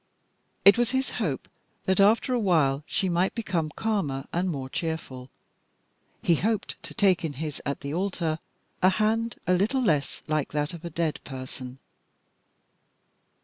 It was his hope that after a while she might become calmer, and more cheerful. He hoped to take in his at the altar a hand a little less like that of a dead person.